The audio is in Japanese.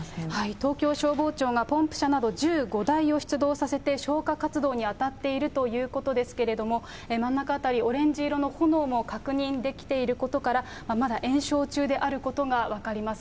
東京消防庁が、ポンプ車など１５台を出動させて、消火活動に当たっているということですけれども、真ん中辺り、オレンジ色の炎も確認できていることから、まだ延焼中であることが分かります。